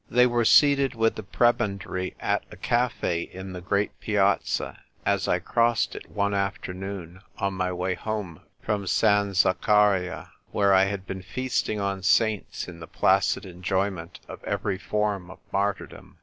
They were seated with the prebendary at a cafe in the great Piazza, as 1 crossed it one afternoon on my way home from San Zaccaria, where I had been feasting on saints in the placid enjoy ment of every form of martyrdom.